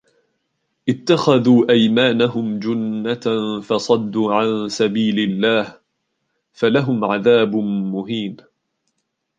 اتخذوا أيمانهم جنة فصدوا عن سبيل الله فلهم عذاب مهين